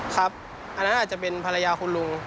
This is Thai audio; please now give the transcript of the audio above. อันนั้นอาจจะเป็นภรรยาคุณลุง